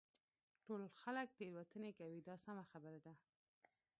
ټول خلک تېروتنې کوي دا سمه خبره ده.